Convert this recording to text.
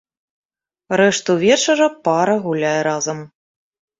Рэшту вечара пара гуляе разам.